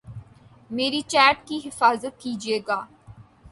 میری چیٹ کی حفاظت کیجئے گا